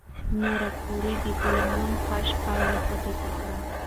ماري کوري د پولونیم کشف پایله ثبت کړه.